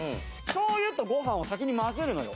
醤油とご飯を先に混ぜるのよ。